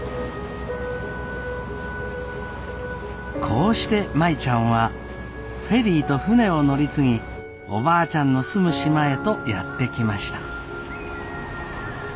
こうして舞ちゃんはフェリーと船を乗り継ぎおばあちゃんの住む島へとやって来ました。